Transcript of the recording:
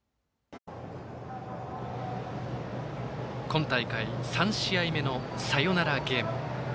今大会３試合目のサヨナラゲーム。